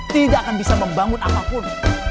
tidak akan bisa membangun apapun